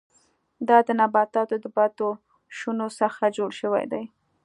دا د نباتاتو د پاتې شونو څخه جوړ شوي دي.